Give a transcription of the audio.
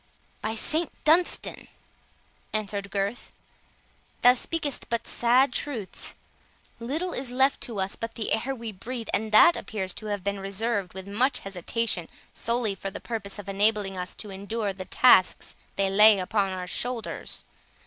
"By St Dunstan," answered Gurth, "thou speakest but sad truths; little is left to us but the air we breathe, and that appears to have been reserved with much hesitation, solely for the purpose of enabling us to endure the tasks they lay upon our shoulders.